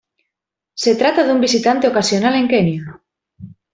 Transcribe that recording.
Se trata de un visitante ocasional en Kenia.